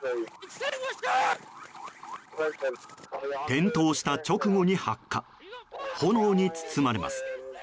転倒した直後に発火炎に包まれます。